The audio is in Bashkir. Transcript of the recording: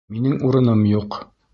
Минең урыным юҡ...